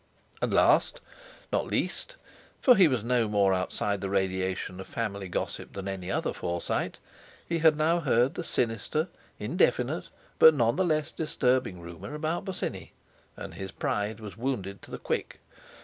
And last, not least—for he was no more outside the radiation of family gossip than any other Forsyte—he had now heard the sinister, indefinite, but none the less disturbing rumour about Bosinney, and his pride was wounded to the quick.